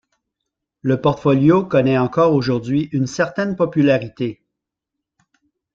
Le Porfolio connait encore aujourd'hui une certaine popularité.